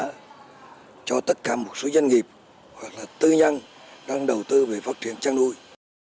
hỗ trợ cho tất cả một số doanh nghiệp hoặc là tư nhân đang đầu tư về phát triển chăn nuôi